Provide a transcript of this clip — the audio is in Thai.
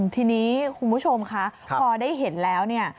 ทีนี้คุณผู้ชมคะพอได้เห็นแล้วเนี่ย